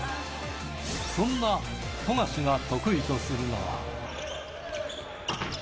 そんな富樫が得意とするのは。